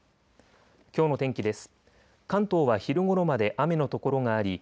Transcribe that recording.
きょうの天気です。